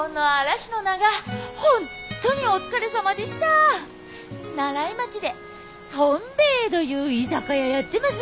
西風町でとん兵衛どいう居酒屋やってます。